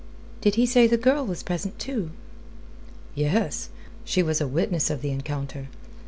Did he say the girl was present, too?" "Yes. She was a witness of the encounter.